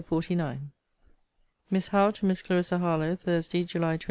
LETTER XLIX MISS HOWE, TO MISS CLARISSA HARLOWE THURSDAY, JULY 25.